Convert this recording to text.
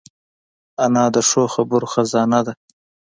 انا د ښو خبرو خزانه ده